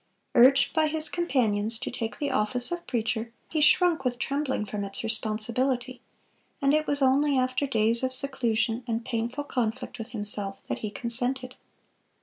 Urged by his companions to take the office of preacher, he shrunk with trembling from its responsibility, and it was only after days of seclusion and painful conflict with himself that he consented.